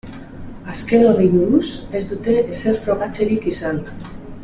Azken horri buruz ez dute ezer frogatzerik izan.